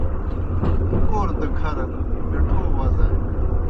کور دہ کھر بیٹَھو وزانیْ۔